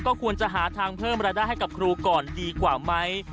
ควรจะหาทางเพิ่มรายได้ให้กับครูก่อนดีกว่าไหม